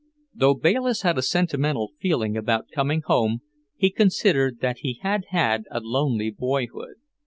Though Bayliss had a sentimental feeling about coming home, he considered that he had had a lonely boyhood.